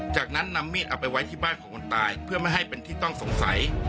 จากนั้นนำมีดเอาไปไว้ที่บ้านของคนตายเพื่อไม่ให้เป็นที่ต้องสงสัย